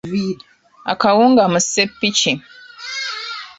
Akawunga mu ssepiki.